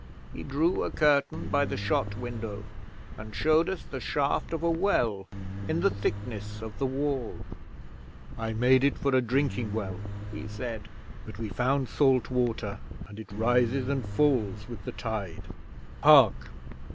He drew a curtain by the shot window and showed us the shaft of a well in the thickness of the wall. '"I made it for a drinking well," he said, "but we found salt water, and it rises and falls with the tide. Hark!"